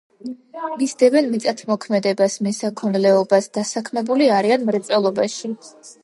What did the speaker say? მისდევენ მიწათმოქმედებას, მესაქონლეობას, დასაქმებული არიან მრეწველობაში.